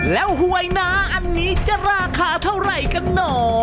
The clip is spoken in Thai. แล้วหวยน้าอันนี้จะราคาเท่าไหร่กันเหรอ